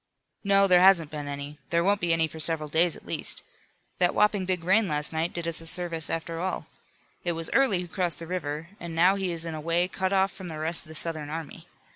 "No, there hasn't been any; there won't be any for several days at least. That whopping big rain last night did us a service after all. It was Early who crossed the river, and now he is in a way cut off from the rest of the Southern army.